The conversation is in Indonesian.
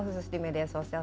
khusus di media sosial